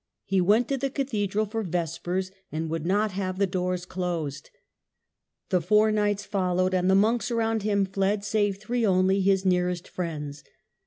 He went to the cathedral for vespers, and would not have the doors closed. The four knights followed, and the monks around him fled, save three only, his nearest friends.